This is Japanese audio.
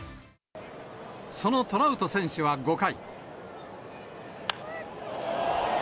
そのトラウト選手は５回。